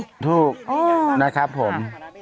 ถูกนะครับผม